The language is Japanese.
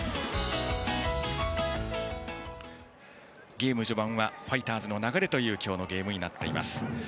ゲーム序盤はファイターズの流れという今日のゲームになっています。